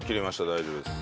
大丈夫です。